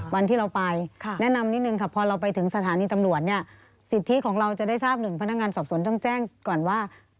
วันที่เราไปแนะนำนิดนึงค่ะ